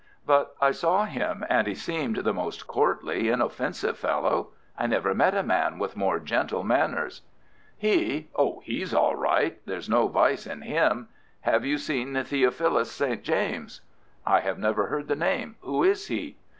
"But I saw him, and he seemed the most courtly, inoffensive fellow. I never met a man with more gentle manners." "He! oh, he's all right. There's no vice in him. Have you seen Theophilus St. James?" "I have never heard the name. Who is he?"